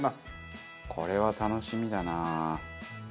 これは楽しみだな。